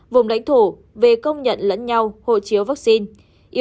vùng lãnh thổ về công nhận lẫn nhau hộ chiếu vaccine